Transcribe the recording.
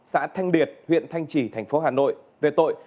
xã thanh điệt huyện thanh trì thành phố hà nội